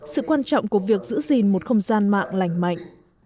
sự quan trọng của việc giữ gìn một không gian mạng lành mạnh